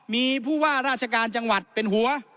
มีผู้ว่าราชการจังหวัดเป็นหัว